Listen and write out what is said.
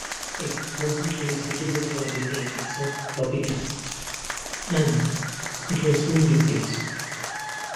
It wasn't very suitable for anything except floppy disks, and it was soon replaced.